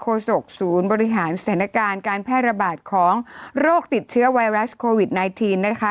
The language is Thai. ศกศูนย์บริหารสถานการณ์การแพร่ระบาดของโรคติดเชื้อไวรัสโควิด๑๙นะคะ